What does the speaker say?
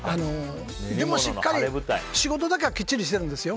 でもしっかり仕事だけはきっちりしてるんですよ。